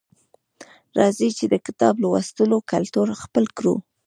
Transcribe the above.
راځئ چې د کتاب لوستلو کلتور خپل کړو